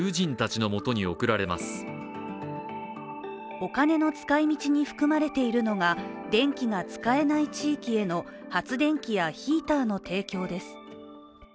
お金の使いみちに含まれているのが電気が使えない地域への発電機やヒーターの提供です。